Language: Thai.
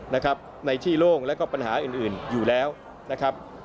ในที่โล่งและก็ปัญหาอื่นอยู่แล้วนะครับ